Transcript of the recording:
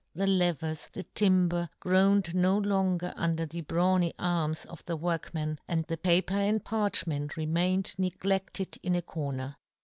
the levers, the timber, groaned no longer under the brawny arms of the workman, and the paper and parchment remained neglefted in a corner.